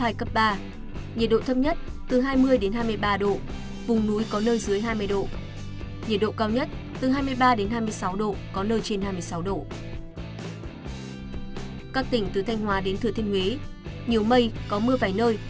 các tỉnh từ thanh hóa đến thừa thiên huế nhiều mây có mưa vài nơi